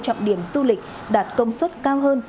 trọng điểm du lịch đạt công suất cao hơn